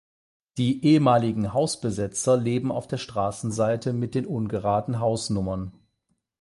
Die ehemaligen Hausbesetzer leben auf der Straßenseite mit den ungeraden Hausnummern.